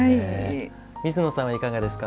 水野さんはいかがですか？